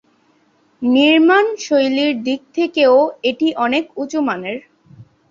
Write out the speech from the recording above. নির্মাণ শৈলীর দিক থেকেও এটি অনেক উঁচুমানের।